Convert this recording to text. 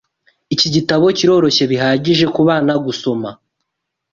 Iki gitabo kiroroshye bihagije kubana gusoma.